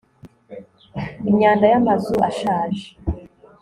Imyanda yamazu ashaje